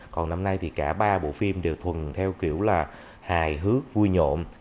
còn năm nay thì cả ba bộ phim đều thuần theo kiểu là hài hước vui nhộn